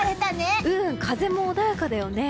風も穏やかだよね。